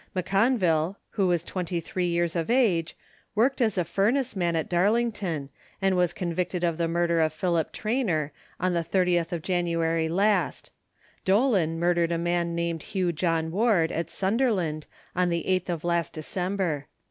M'Conville, who who was 23 years of age, worked as a furnace man at Darlington, and was convicted of the murder of Philip Trainer, on the 30th of January last, Dolan murdered a man named Hugh John Ward, at Sunderland, on the 8th of last December.